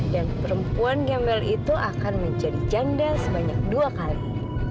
dan perempuan gembel itu akan menjadi janda sebanyak dua kali